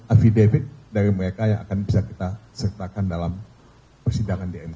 evidefit dari mereka yang akan bisa kita sertakan dalam persidangan di mk